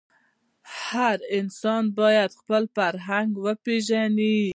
هر انسان باید خپل فرهنګ وپېژني.